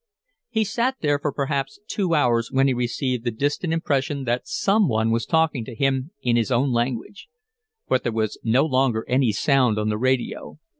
He sat there for perhaps two hours when he received the distant impression that someone was talking to him in his own language. But there was no longer any sound on the radio.